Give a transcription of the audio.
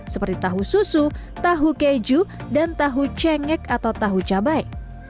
seperti tahu susu tahu keju dan tahu cengek atau tahu cabai